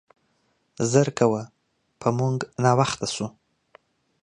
زر کوه, په مونګ ناوخته شو.